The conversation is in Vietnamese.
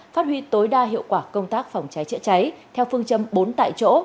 phát huy tối đa hiệu quả công tác phòng cháy chữa cháy theo phương châm bốn tại chỗ